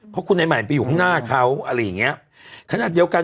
เพราะคุณนายใหม่ไปอยู่ข้างหน้าเขาอะไรอย่างเงี้ยขนาดเดียวกัน